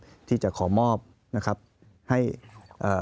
ขอมอบจากท่านรองเลยนะครับขอมอบจากท่านรองเลยนะครับขอมอบจากท่านรองเลยนะครับ